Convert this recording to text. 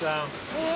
え？